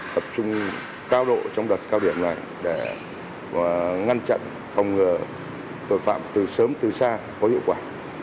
tập trung cao độ trong đợt cao điểm này để ngăn chặn phòng ngừa tội phạm từ sớm từ xa có hiệu quả